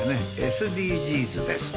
ＳＤＧｓですね。